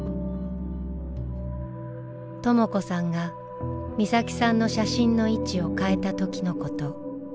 とも子さんが美咲さんの写真の位置を変えた時のこと。